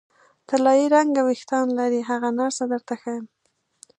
طلايي رنګه وریښتان لري، هغه نرسه درته ښیم.